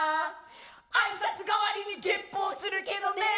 「挨拶代わりにゲップをするけどネー！」